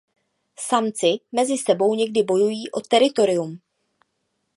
Samci mezi sebou někdy bojují o teritorium.